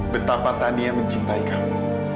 betapa tani yang mencintai kamu